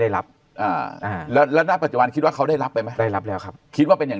ได้รับแล้วปัจจุวันคิดว่าเขาได้รับไปแล้วครับคิดว่าเป็นอย่าง